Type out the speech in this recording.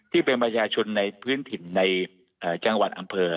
ที่เป็นประชาชนในพื้นถิ่นในจังหวัดอำเภอ